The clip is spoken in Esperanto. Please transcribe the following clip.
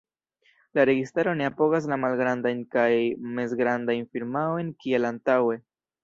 La registaro ne apogas la malgrandajn kaj mezgrandajn firmaojn kiel antaŭe.